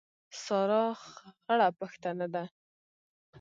سارا خړه پښتنه ده.